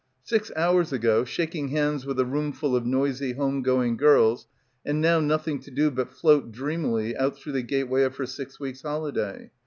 Six hours ago, shaking hands with a roomful of noisy home going girls — 'and now nothing to do but float dreamily out through the gateway of her six weeks' holiday.